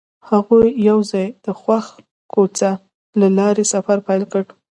هغوی یوځای د خوښ کوڅه له لارې سفر پیل کړ.